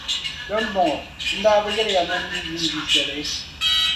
Di nibɔŋɔ, n daa bi yεli ya ni m mi yi ni ʒi shɛli?